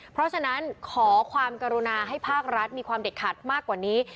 เพราะฉะนั้นขอความกรุณาให้ภาครัฐมีความเด็ดขาดมากกว่านี้